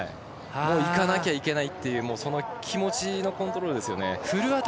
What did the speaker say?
行かなきゃいけないという気持ちのコントロール。